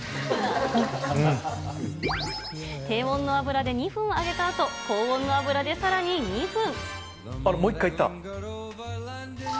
低温の油で２分揚げたあと、高温の油でさらに２分。